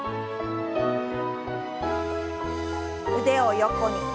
腕を横に。